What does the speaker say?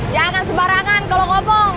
jangan sebarangan kalau ngomong